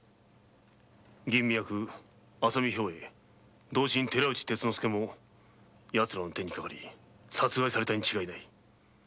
吟味役浅見兵衛同心寺内鉄之助もヤツらの手にかかり殺されたに違いない。